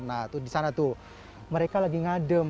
nah di sana tuh mereka lagi ngadem